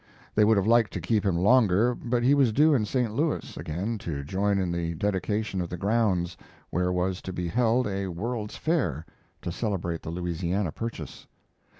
They would have liked to keep him longer, but he was due in St. Louis again to join in the dedication of the grounds, where was to be held a World's Fair, to celebrate the Louisiana Purchase.